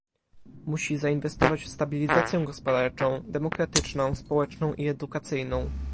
Musi zainwestować w stabilizację gospodarczą, demokratyczną, społeczną i edukacyjną